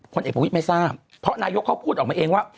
เอกประวิทย์ไม่ทราบเพราะนายกเขาพูดออกมาเองว่า